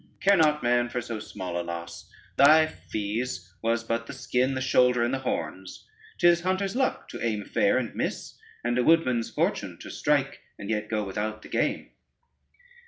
Care not man for so small a loss: thy fees was but the skin, the shoulder, and the horns: 'tis hunter's luck to aim fair and miss; and a woodman's fortune to strike and yet go without the game."